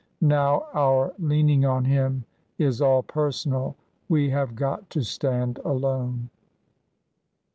Now, our leaning on Him is all personal. We have got to stand alone."